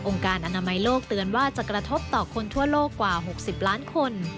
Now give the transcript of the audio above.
การอนามัยโลกเตือนว่าจะกระทบต่อคนทั่วโลกกว่า๖๐ล้านคน